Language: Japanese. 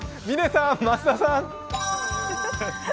嶺さん、増田さん。